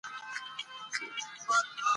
چې يوه وروځه یې اوچته کړه